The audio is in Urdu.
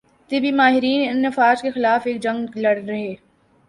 طبی ماہرین ان افواہوں کے خلاف ایک جنگ لڑ رہے